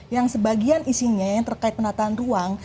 yang sebagian isinya yang terkait penataan ruang